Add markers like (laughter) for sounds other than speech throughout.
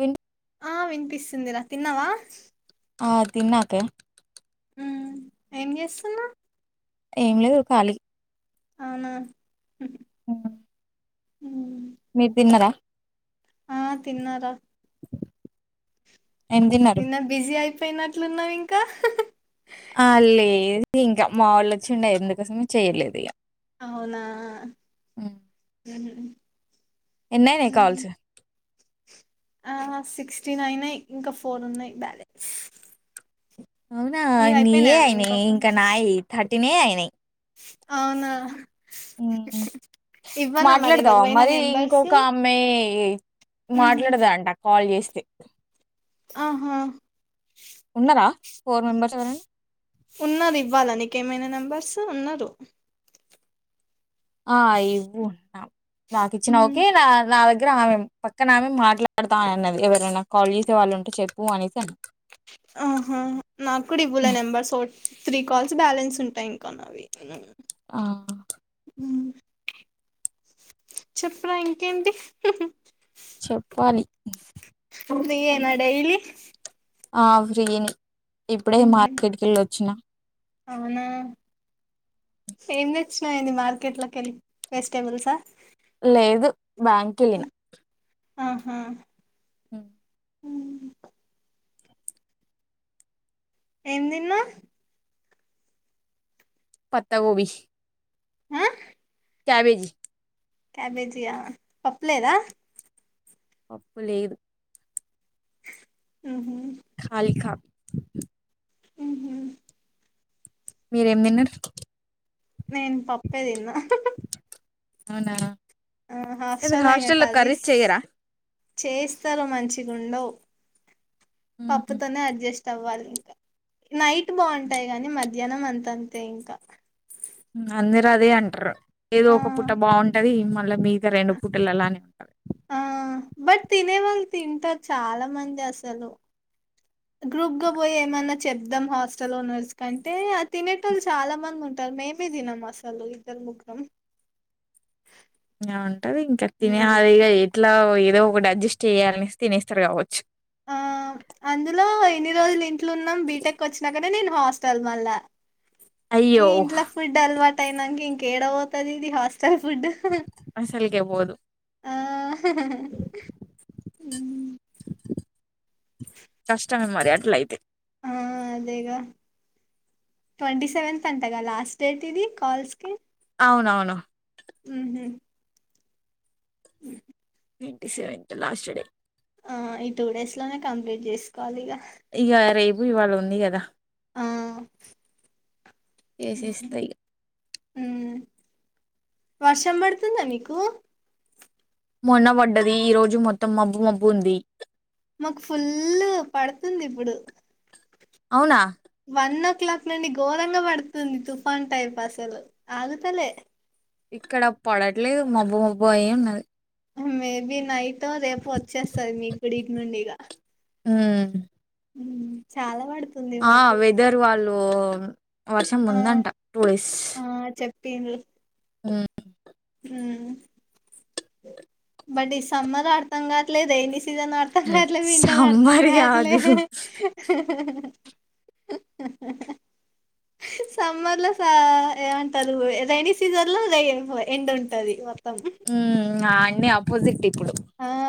Win ఆ వినిపిస్తుందిరా తిన్నావా ఆ తిన్నాక ఏం చేస్తున్నా ఏమి కాళి అవునా అ ఉమ్, ఆ తిన్నారా ఏం తిన్నారు నిన్న బిజీ అయిపోయినట్లున్నావి ఇంకా ఆ లేదు ఇంకా మా వాళ్ళు వచ్చిండ ఎందుకోసం చెయలేదు ఇక అవునా ఆ ఉ ఎన్నా న కాల్ ఫటీ ఇంకా ఫోర్ ఉన్నాయి బ్యాలెన్స్ అవునా నీవి నీయే అయిపోయినాయా అయినాయి ఇంకొక ఇంకా నాయి థర్టీనే అయినాయి అవునా అ ఇవ్వనా మరి మాట్లాడదావా ఎవరివైనా మరి నెంబర్స్ ఇంకొక అమ్మాయి ఉహు మాట్లాడదా అంట కాల్ చేసి చెక్ ఆహా ఉన్నారా ఫోర్ మెంబర్స్ ఎవరండి ఉన్నారు ఇవ్వాల నకేమైనా నెంబర్స్ ఉన్నారు ఆ ఇవ్వుంటవు నాకు ఇచ్చిన ఉమ్, ఓకే నా నా దగ్గ దగ్గర ఆమె పక్కన ఆమె మాట్లాడతా అన్నది ఎవరైనా కాల్ చేసే వాళ్ళు ఉంటే చెప్పు అనేసి అని ఆహా నాకుడి ఇవ్వు నెంబర్ త్రీ కాల్స్ బ్యాలెన్స్ ఉంటాయి ఇంకాన్న అవి ఆ ఉ చెప్పరా ఇంకేంటి చెప్పాలి అ ఫ్రీ డైలీ ఆ ఫ్రీని ఇప్పుడే ఉహు మార్కెట్కి వెళ్ళొచ్చిన అవునా ఏం తెచ్చినాయండి మార్కెట్ లోకి వెళ్ళి వెజిటేబుల్సా లేదు బ్యాంకిళ్లిన ఆహా హ హ ఏం తిన్నా పత్తకవి కేవేజీ క్యాబేజయా పావు లేదా అప్పు లేదు ఉహూ ఖాళీ కాపీ ఉహూ మీరేం తిన్నారు నేను పప్పేదిన్న అవునా ఆ ఎందుకు హాస్టల్ంగా హాస్టల్లో కర్రీస్ చెయ్యరా చేయిస్తారు మంచిగుండవు ఉహు పప్పుతోనే అడ్జస్ట్ తవ్వాలి ఇంకా నైట్ బాగుంటాయి కానీ మధ్యాహ్నం అంతంతే ఇంకా అందరు అదే అంటారు ఏదో ఆ ఒక పుట్ట బాగుంటది మళ్ళీ మీగ రెండు పుట్టలు అలానే ఉ ఆ బట్ తినే వాళ్ళు తింటారు చాలా మంది అసలు గ్రూప్గ బోయి ఏమన్నా చెప్దాం హాస్టల్ ఓనర్స్ కంటే తినేట వాళ్ళు చాలా మంది ఉంటారు మేమే తినం అసలు ఇద్దరు ముగ్గురం ఆ ఉంటది ఇంకా తినే ఉమ్ వాళ్ళు ఇగ ఎట్లా గో అదే ఒకటి అడ్జస్ట్ చేయాలని తినేస్తారు కావచ్చు ఆ అందులో ఇన్ని రోజులు ఇంట్లోన్నాం బీటెక్ వచ్చినాకనే నేను హాస్టల్ మళ్ళ ఈ అయ్యో ఇంట్లో ఫుడ్ అలవాటు అయినంక ఇంకాఏడ పోతది ఇది హాస్ స్టల్ ఫుడ్ అసలుకే పోదు ఆ కష్టమే మరి అట్లా అయితే ఆ అదేగా ట్వంటీ సెవెంత అంటగా లాస్ట్ డేట్ ఇది కల్స్ కి అవునవును ఉహూ ఉ ట్వంటీ సెవెంత్ లాస్ట్ డే ఆ ఈ టూ డేస్ లోనే కంప్లీట్ చేసుకోవాలి ఇగ ఇగ రేపు ఇవాళ ఉంది కదా ఆ చేసేస్తా ఇగ ఉమ్ వర్షం పడుతుందా నీకు మొన్న పడ్డది ఈ రోజు మొత్తం మబ్బు మబ్బు ఉంది మాకు ఫుల్ పడుతుంది ఇప్పుడు అవునా వన్ క్లాక్ నుండి ఘోరంగా పడుతుంది తుఫాన్ టైప్ అసలు ఆగుతలే ఇక్కడ పడట్లేదు మబ్బు మబ్బు అయి ఉన్నది మేబి నైటో రేపు వచ్చేస్తది మీకు కూడా ఇటునుండి ఇగ ఉహూ హ్మ్ చాలా వాడు ఆ వెదర్ వాళ్ళు వర్షం ఆ ముందంట టూ డేస్ (unintelligible) ఉమ్ బట్ ఈ సమ్మర్ అర్థం కావట్లేదు రైనీ సి సీజనో అర్థం కావట్లేదు వింటారా అర్థం సమ్మర్ కావట్లే కాదు సమ్మర్ లో స ఏమంటారు రెైనీ సీజన్ లో రా ఎండ్ ఉంటది మొత్తం ఉమ్ ఆ అన్నీ ఆపోజిట్ ఇప్పుడు ఆ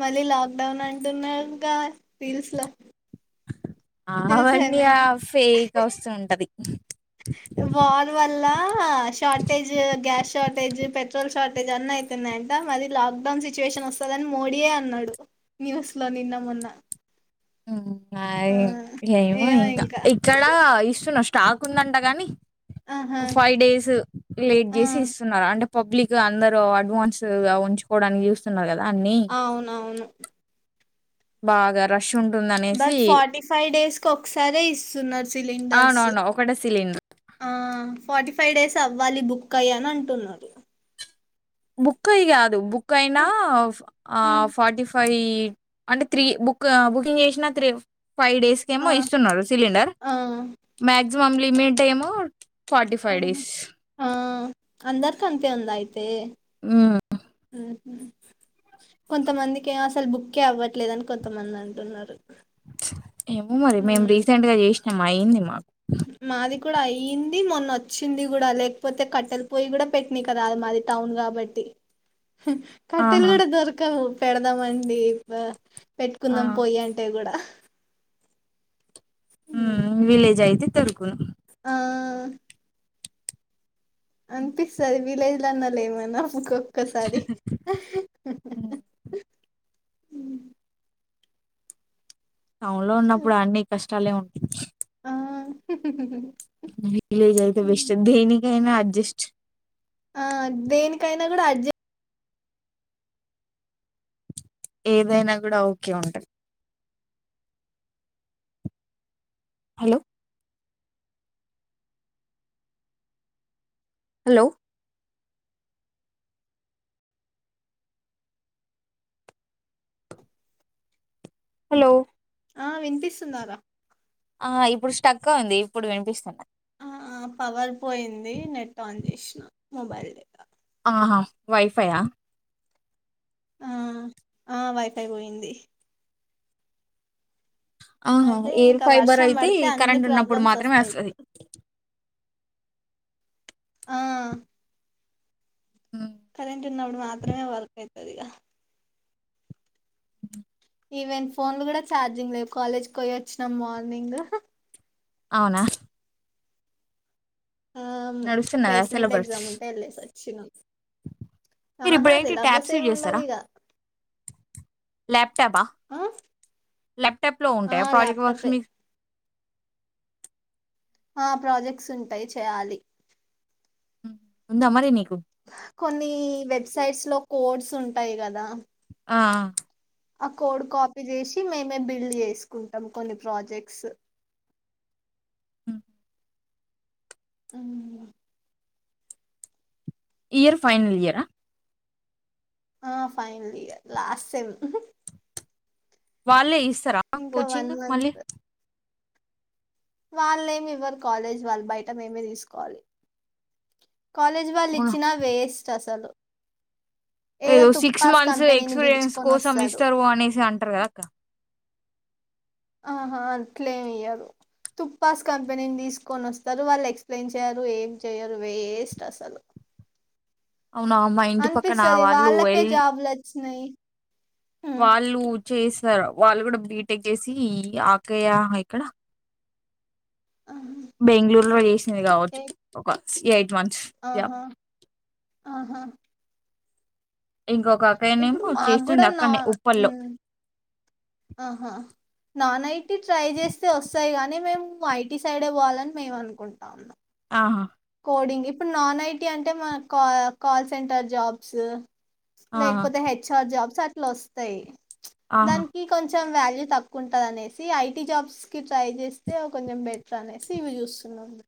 మళ్ళీ లాక్ డౌన్ అంటున్నారు ఇంకా రీల్స్ లా ఆవండియా ఫేక్ వస్తూ ఉంటది వార్ వల్ల షార్టేజ్ గ్యాస్ షార్ జ్ పెట్రోల్ షార్టేజ్ అన్న అయితున్నాయంట మది లాక్డౌన్ సిచ్యువేషన్ వస్తుందని మోడీయే అన్నాడు న్యూస్లో నిన్న మొన్న ఆ ఏమో ఇంకా ఇక్కడ ఇస్తు నష్ట స్టాక్ ఉందంట గాని ఆహా ఒక ఫైవ్ డేస్ లేట్ ఆ చేసి ఇస్తున్నారు అంటే పబ్లిక్ అందరు అడ్వాన్స్ గా ఉంచుకోవడానికి చూస్తున్నారు కదా అన్ని అవునవును బాగా ర బట్ ఫార్టీ ఫైవ్ డేస్ కు ఒకసారే ఇస్తున్నారు సిలిండర్స్ అవునవును ఒకటే సిలిండర్ ఫార్టీ ఫైవ్ డేస్ అవ్వాలి బుక్ అయీ అని అంటున్నారు బుక్ అయి కాదు బుక్ అయినా ఆ ఆ ఫార్టీ ఫ ఫైవ్ అంటే త్రీ బుక్ బుకింగ్ చేసినా త్రీ ఫైవ్ డేస్ కి ఆ ఏమో ఇస్తున్నారు సిలిండర్ ఆ మాక్సిమం లిమిట్ ఏమో ఫార్టీ ఫైవ్ ఆహా డేస్ ఆ అందరికి అంతే ఉంద అయితే ఆ కొంతమందికి అసలు బుక్కే అవ్వట్లేదని కొంతమంది అంటున్నారు ఏమో మరి మేం మ్మ్. రీసెంట్ గా చేసినాం అయ్యింది మాది కూడా అయింది మొన్న వచ్చింది కూడా లేకపోతే కట్టెల పోయి కూడా పెట్టినీకు రాదు అది టౌన్ కాబట్టి కట్టెలు ఆహా కూడా దొరకవు పెడదామండి ఇక ఆ పెట్టుకుందం పోయి అంటే కూడా మ్మ్. హ విలేజ్ అయితే దొరుకు ఆ దొరుకును అనిపిస్తుంది విలేజ్ లో అన్నా లే ఏమన్నామ్కు ఒకొకసారి టౌన్ లో ఉన్నప్పుడు అన్ని కష్టాలే ఉంటాయి ఆ విలేజ్ అయితే బెస్ట్ దేనికైనా అడ్జెస్ట్ ఆ దేనికైనా కూడా అడ్జె ఏదైనా కూడా ఓకే ఉంటది హలో హలో హలో ఆ వినిపిస్తుందారా ఆ ఇప్పుడు స్టక్గా ఉంది ఇప్పుడు వినిపిస్తున్న ఆ మోబైల్ ఆహా వైఫైయా ఆ ఆ వైఫై పోయింది అవును అదే ఎయిర్ ఇంకా ఫైబర్ వర్షం అయితే పడితే అన్ని కరెంట్ ఉన్నప్పుడు ప్రాబ్లమ్స్ మాత్రమే వస్తాయి వస్తుది ఇప్పుడు ఆ కరెంట్ ఉన్నప్పుడు మాత్రమే వర్క్ అవుతుది ఇక ఉ ఈవెన్ ఫోన్లు కూడా ఛార్జింగ్ లేవు కాలేజ్కి పోయి వచ్చినా మార్నింగ్ అవునా ఆ నడుస్తున్నదా ప్లేస్మెంట్ సిలబస్ ఎగ్జామ్ ఉంటే వెళ్ళసి వచ్చిన మీరు ఇప్పుడు ఆహా ఏంటి సిలబస్ ట్యాబ్స్ యూజ్ ఏమి చేస్తారా ఉండదిగా ల్యాప్టాపా ల్యాప్టాప్ లో ఆ ఉంటాయా ప్రోజేక్ట్ వర్క్స్ ల్యాప్టాపే మీకు ఆ ప్రాజెక్ట్స్ ఉంటాయి చేయాలి హు్ ఉందా మరి నీక్ కొన్ని వెబ్ సైడ్ లో కోడ్స్ ఉంటాయ్ గదా ఆఆ ఆ కోడ్ కాపీ జేసి మేమే బిల్డ్ జేసుకుంటాం కొన్ని ప్రాజెక్సు ఉహూహ్ ఇయర్ ఫైనలియారా ఆ ఫైనలియర్ లాస్ సేమ్ హుహ్ వాళ్ళే ఇసారా వన్ కోచింగు మళ్ళీ మంత్ వాళ్ళేమి ఇవ్వరు కాలేజ్ వాళ్ళు బయట మేమే దిసుకోవాలి. కాలేజ్ వాళ్ళు ఇచ్చినా వేస్ట్ అసలు ఏదో సిక్స్ తుప్పాస్ మంత్స్ కంపెనీని ఎక్స్పీరియన్స్ పిలుచుకొని కోసం వస్తారు ఇస్తరు అనేసి అంట్ర గదా అక్క ఆహా అట్లేవియరు. తుప్పాస్ కంపెనీని దిసుకొని వస్తరు. వాళ్ళ ఎక్సప్లయిన్ చేయరు, ఏం చేయరు వేస్ట్ అసలు. అవునా మా ఇంటి పక్కన అనపిస్తది. వాళ్ళు వాళ్ళకే ఎల్ జాబలోచ్చినాయ్. వాళ్ళు చేసార్ వాళ్ళు కూడా బీటెక్ జేసి యి ఆ అక్కయ్య ఎక్కడ ఆహా బెంగళూరులో ఏచనై గావచ్చు ఏ- ఒక సియట్ ఆహా ఆహా ఇంకొక ఇప్పుడు అక్కయనేమో మాకు కూడా చేస్తుంది అక్కనే ఉప్పల్లో ఆహాహ్ నాన్న ఏటి ట్రై జేసే వసయి గాని మేము ఐటీ సైడే బోవాలన్ మేమ్ అనుకుంటాము. ఆహా కోడింగ్ ఇప్పుడు నాన్ ఐటీ అంటే మనక్ కోఆయ్ కాల్ సెంటర్ జాబ్ సూ ఆహా లేకపోతే హెచ్ఆర్ జాబ్స్ అట్లా వస్తయ్ ఆహా దానికి కోచ్ తోవ్ వాల్యూ తక్కువ ఉంటది అనేసి ఐటీ జాబ్స్ కి ట్రై జేస్తే కొంచెం బెటర్ అనేసి ఇవి చూసున్ లందే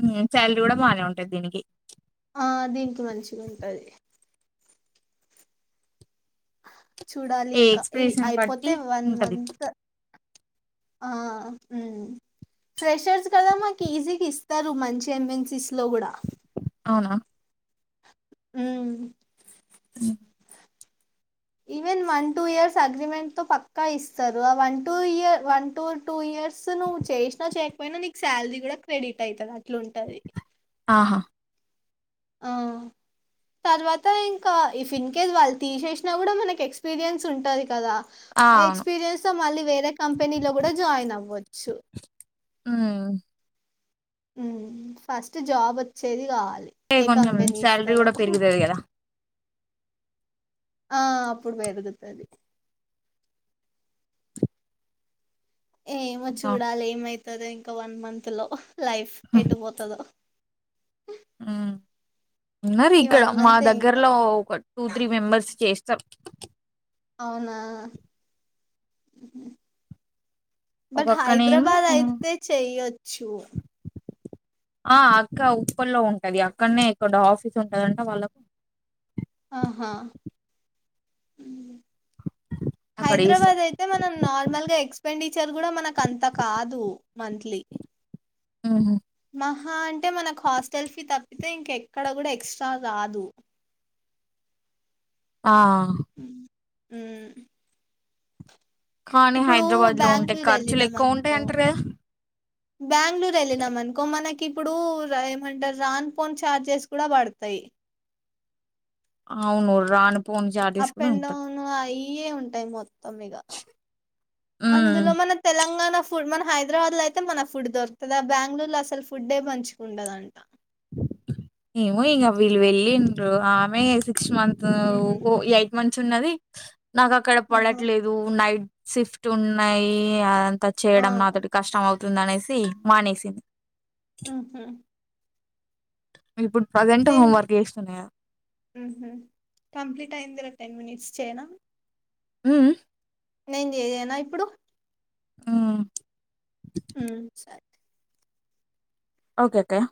ఉహ్ చల్రడీ గూడా బానే ఉంటది దీనికి ఆ దీనికి మంచిగుంటది చూడాలి ఏ ఇంకా ఇహ్ ఎక్స్ప్రెషన్ అయిపోతే బట్టి వన్ ఉంటది మంతో ఆఆ హుమ్ ఫ్రెషర్స్ కదా మాక్ ఈజీగ్ ఇస్తరు మంచేన్ ఎమెన్సీస్ లో గూడ అవునా ఉహ్ తుదియా even one two years agreement తో పక్కా ఇసరు. ఆ వన్ టూ ఇయ one two two year. Years నువ్వు చేచిన్న చేయకపోయినా నీకు సాలరీ గూడా క్రెడిట్ అయితది అట్లుంటది. ఆహా ఆహ్ తర్వాత ఇంకా ఇఫ్ ఇన్ కేస్ వాళ్ళు తీచేచినా కూడా మనకి ఎక్స్పీరియన్స్ ఉంటది కదా ఆ అవును ఎక్స్పీరియన్స్ తో మళ్ళీ వేరే కంపెనీలో గూడా జాయిన్ అవ్వచ్చు. ఉహు్మ్ హుహ్ ఫస్ట్ జాబ్ వచ్చేది గాల్ ఏ కొంచెం సాలరీ కూడా పెరుగుదది. గదా ఆ అప్పుడు వేదుగుతది. ఏమో అవును చూడాలే ఏమైతదో ఇంకా వన్ మంత్ లో లైఫ్ ఎట్టు పోతదో. ఉహ్ నర్ ఈ ఇక్కడ మా మంతే ఇంకా. దగ్గరలో ఒక టూ త్రీ మెంబెర్స్. ఏస్తర్ అవునా హుహ్ ఒక బట్ అక్కనేమో హైద్రాబాద్ అయితే చేయొచ్చు. ఆ అక్క ఉప్పలో ఉంటది. అక్కడనే ఎక్కడో ఆఫీస్ ఉంటదంట వాళ్ళక్ ఆహా అక్కడ చేస్తారు హైదరాబాద్ అయితే మనం నార్మల్గా ఎక్స్పెండిచర్ కూడా మనకు అంత కాదు. మంత్లీ ఆహ ఆహా అంటే మనకు హాస్టల్ ఫీ తప్పితే ఇంక ఎక్కడ కూడా ఎక్స్ట్రా రాదు ఆ ఉం కానీ హైదరాబాద్ లో ఉంటే ఖర్చులు ఎక్కువ ఉంటాయి బెంగుళూరెళ్ళినామనుకో అంటరు కదా బ్యాంగళూర్ వెళ్లిన మనకో మనకి ఇప్పుడు ఏమంటారు రాను పోను చార్జెస్ కూడా పడతయి అవును రాను పోను చార్జెస్ అప్ కూడా అండ్ ఉంటాయి డౌన్ అయే ఉంటాయి మొత్తం ఇగ ఉమ్ అందులో మన తెలంగాణ ఫుడ్ మన హై హైదరాబాద్ లో అయితే మనకు ఫుడ్ దొరుకుతదా బెంగళూరులో అసలు ఫుడ్డే మంచిగా ఉండదంట ఎమో ఇంగ వీళ్ళు వెళ్ళిండ్రు ఆమె సిక్స్ మంత్స్ ఉహు వుకో మంచి ఉన్నది నాకు అక్కడ ఆహా పడట్లేదు నైట్ షి ఫ్ట్ ఉన్నాయి అ త ఆ చేయడం నాతోటి కష్టం అవుతుంది అనేసి మానేసింది ఆహ ఇప్పుడు ప్రజెంట్ హోంవర్క్ చేస్తున్నా ఉహు కంప్లీట్ అయిందిరా టెన్ మినిట్స్ చేయనా ఉం ఉం నేను చెయ్యన ఇప్పుడు ఉం ఉం సరే ఓకే అక్కయ